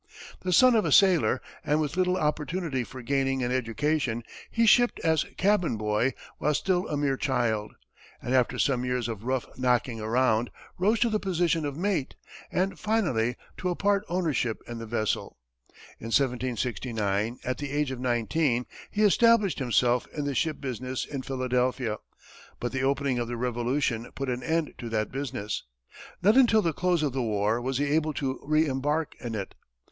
The son of a sailor, and with little opportunity for gaining an education, he shipped as cabin boy, while still a mere child, and after some years of rough knocking around, rose to the position of mate, and finally to a part ownership in the vessel. In 1769, at the age of nineteen, he established himself in the ship business in Philadelphia, but the opening of the Revolution put an end to that business. Not until the close of the war was he able to re embark in it.